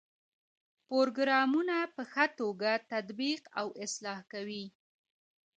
پروګرامونه په ښه توګه تطبیق او اصلاح کوي.